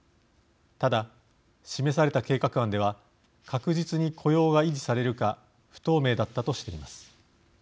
ただ、示された計画案では確実に雇用が維持されるか不透明だったとしています。